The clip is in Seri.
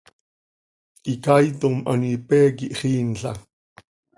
Icaaitom an ipé quih xiinla.